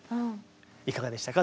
いかがでしたか？